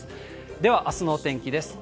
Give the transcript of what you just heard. では、あすのお天気です。